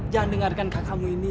jangan dengarkan kakamu ini